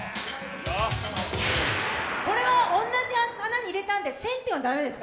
これは同じ穴に入れたんで１０００点は駄目ですか？